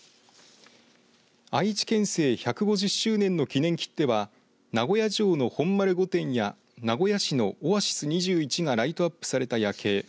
愛知県政１０５周年の記念切手は名古屋城の本丸御殿や名古屋市のオアシス２１がライトアップされた夜景